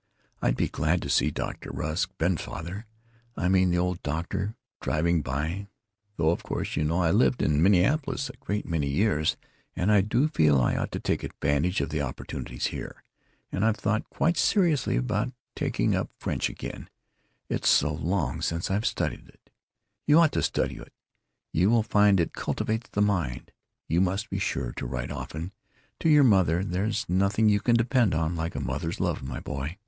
I'd be glad to see Dr. Rusk—Ben's father, I mean, the old doctor—driving by, though of course you know I lived in Minneapolis a great many years, and I do feel I ought to take advantage of the opportunities here, and I've thought quite seriously about taking up French again, it's so long since I've studied it——You ought to study it; you will find it cultivates the mind. And you must be sure to write often to your mother; there's nothing you can depend on like a mother's love, my boy."